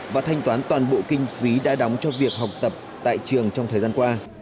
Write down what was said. và thanh toán toàn bộ kinh phí đã đóng cho việc học tập tại trường trong thời gian qua